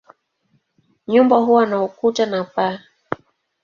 Nyumba huwa na ukuta na paa.